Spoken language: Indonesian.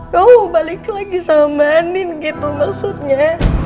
kamu mau balik lagi sama ma andin gitu maksudnya